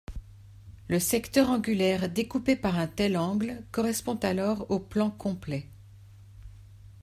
Le secteur angulaire découpé par un tel angle correspond alors au plan complet.